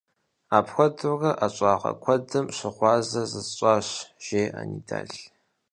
- Апхуэдэурэ ӀэщӀагъэ куэдым щыгъуазэ зысщӀащ, - жеӀэ Нидал.